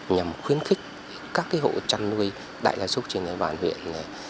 nhằm khuyến khích các hộ chăn nuôi đại gia súc trên bàn huyện